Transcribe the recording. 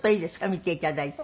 見ていただいて。